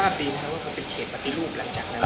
ไม่เคยเลยเพิ่งเห็นป้ายแรกที่ติดไปเมื่อไม่กี่วันนี้เองนะฮะ